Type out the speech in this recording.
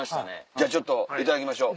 じゃあちょっといただきましょう。